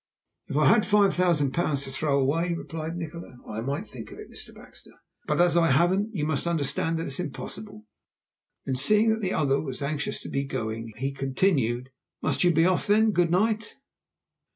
"If I had five thousand pounds to throw away," replied Nikola, "I might think of it, Mr. Baxter, but as I haven't you must understand that it is impossible." Then seeing that the other was anxious to be going, he continued, "Must you be off? then good night."